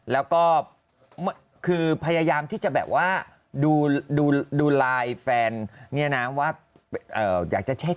แล้วก็คือพยายามที่จะแบบว่าดูลายแฟนว่าอยากจะเช็ค